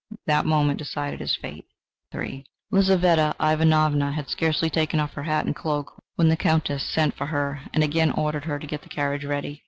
That moment decided his fate. III Lizaveta Ivanovna had scarcely taken off her hat and cloak, when the Countess sent for her and again ordered her to get the carriage ready.